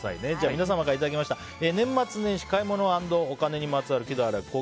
皆様からいただきました年末年始買い物＆お金にまつわる喜怒哀楽。